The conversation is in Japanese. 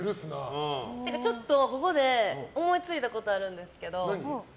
っていうか、ちょっとここで思いついたことあるんですけど。